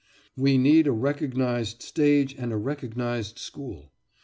We need a recognised stage and a recognised school.